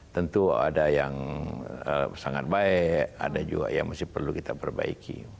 tentu ada yang sangat baik ada juga yang masih perlu kita perbaiki